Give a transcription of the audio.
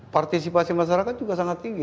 partisipasi masyarakat juga sangat tinggi